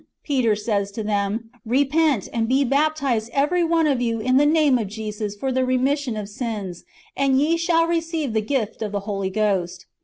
Peter says to them, " Repent, and be baptized every one of you in the name of Jesus for the remission of sins, and ye shall receive the gift of the Holy Ghost."